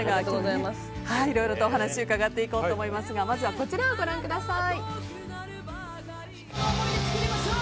いろいろとお話を伺っていこうと思いますがまずはこちらをご覧ください。